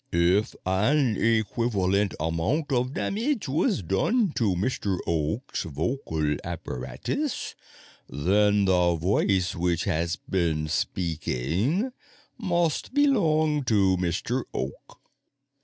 If an equivalent amount of damage was done to Mr. Oak's vocal apparatus, then the voice which has been speaking must belong to Mr. Oak."